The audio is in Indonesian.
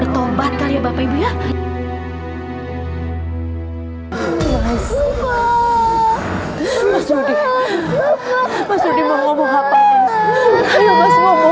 tidak ada kuasa dan upaya